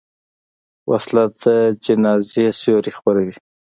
وسله د جنازې سیوري خپروي